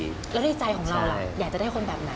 อยากจะได้คนแบบนั้น